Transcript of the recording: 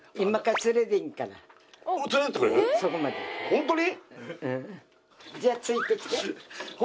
ホントに？